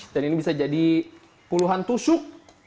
dan ini bisa jadi puluhan tusuk